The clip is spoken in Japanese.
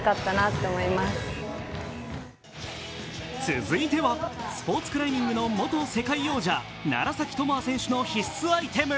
続いては、スポーツクライミングの元世界王者、楢崎智亜選手の必須アイテム。